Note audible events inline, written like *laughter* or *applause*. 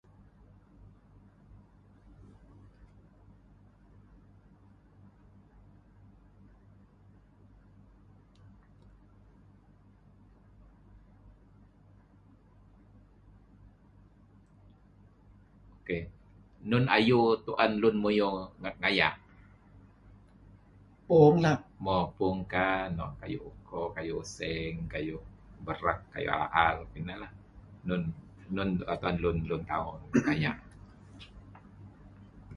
*silence* okay, nun ayu tuan lun muyuh ngan ay'ah *silence* pu'ong lah, moq pu'ong kah...[aah] nuk kayuh pu'ong kah, kayuh usang, kayuh barek, kayuh la'al kinah lah. nun nun lun *unintelligible* a'yah.